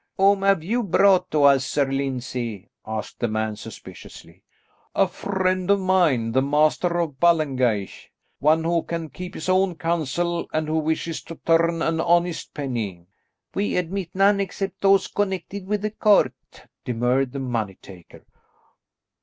"Whom have you brought to us, Sir Lyndsay?" asked the man suspiciously. "A friend of mine, the Master of Ballengeich; one who can keep his own counsel and who wishes to turn an honest penny." "We admit none except those connected with the court," demurred the money taker.